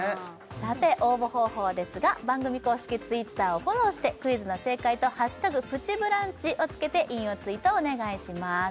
さて応募方法ですが番組公式Ｔｗｉｔｔｅｒをフォローしてクイズの正解と「＃プチブランチ」をつけて引用ツイートをお願いします